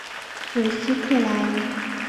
韦斯克莱。